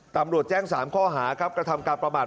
ตำรวจแจ้ง๓ข้อหาครับกระทำการประมาท